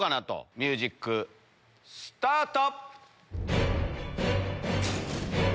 ミュージックスタート！